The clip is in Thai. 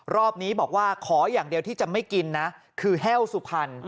รอบนี้บอกว่าขออย่างเดียวที่จะไม่กินนะคือแห้วสุพรรณ